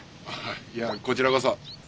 いやこちらこそ。